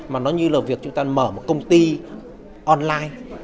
mà nó như là việc chúng ta mở một công ty online